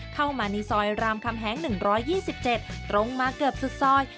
เข้ามาในซอยรามคำแหง๑๒๗ตรงมาเกือบสุดซอย